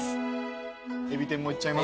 えび天もいっちゃいます？